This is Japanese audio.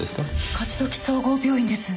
勝どき総合病院です。